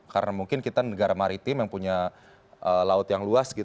karena mungkin kita negara maritim yang punya laut yang luas